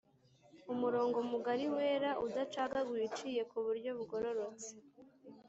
Umurongo mugari wera udacagaguye uciye ku buryo bugororotse